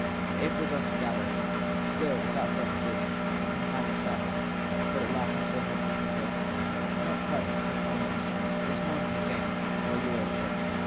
The April dusk gathered, and still, without further speech, the companions sat there. But at last Miss Amy said in a tone not quite her commonest : This morning he came while you were at church.